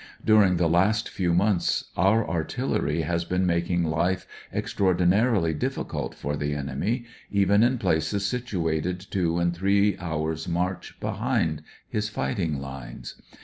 During the last few months our artillery has been making life extraordinarily diffi cult for the enemy, even in places situated two and three hours' march behind his fightmg Unes.